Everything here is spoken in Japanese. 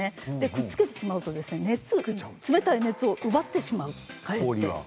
くっつけてしまうと冷たい熱を奪ってしまう、かえって。